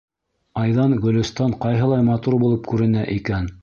Айҙан Гөлөстан ҡайһылай матур булып күренә икән.